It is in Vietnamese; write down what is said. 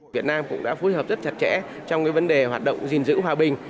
việt nam cũng đã phối hợp rất chặt chẽ trong vấn đề hoạt động gìn giữ hòa bình